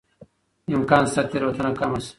امکان شته تېروتنه کمه شي.